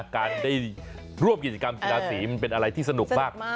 การได้ร่วมกิจกรรมกีฬาสีมันเป็นอะไรที่สนุกมาก